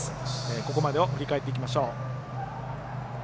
ここまでを振り返っていきましょう。